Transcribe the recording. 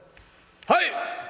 「はい！」。